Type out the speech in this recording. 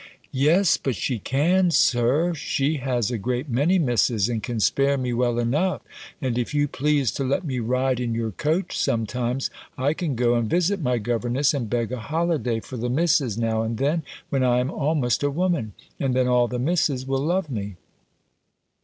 "Yes, but she can. Sir; she has a great many Misses, and can spare me well enough; and if you please to let me ride in your coach sometimes, I can go and visit my governess, and beg a holiday for the Misses, now and then, when I am almost a woman, and then all the Misses will love me."